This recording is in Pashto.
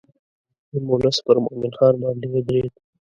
نیم ولس پر مومن خان باندې ودرېد.